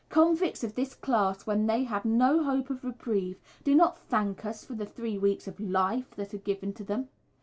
Convicts of this class, when they have no hope of reprieve, do not thank us for the three weeks of "life" that are given to them.